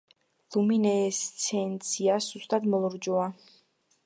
ლუმინესცენცია სუსტად მოლურჯოა.